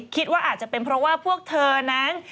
คิดว่าอาจจะเป็นเพราะว่าพวกเธอนั้น